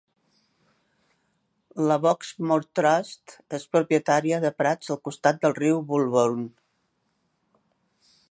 La Box Moor Trust és propietària de prats al costat del riu Bulbourne.